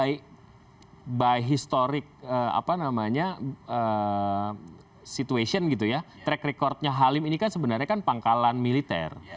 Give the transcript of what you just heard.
kita tahu by historic situation gitu ya track record nya halim ini kan sebenarnya pangkalan militer